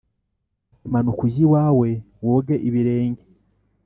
ati “Manuka ujye iwawe woge ibirenge.”